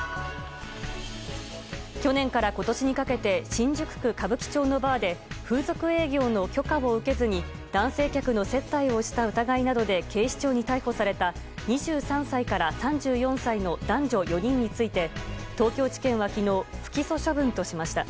去年から今年にかけて新宿区歌舞伎町のバーで風俗営業の許可を受けずに男性客の接待をした疑いなどで警視庁に逮捕された２３歳から３４歳の男女４人について東京地検は昨日、不起訴処分としました。